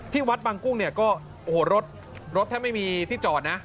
วัดบางกุ้งเนี่ยก็โอ้โหรถรถแทบไม่มีที่จอดนะ